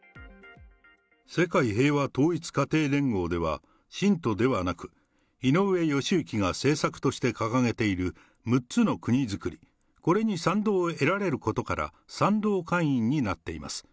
世界平和統一家庭連合では、信徒ではなく、井上義行が政策として掲げている６つの国づくり、これに賛同を得られることから、賛同会員になっています。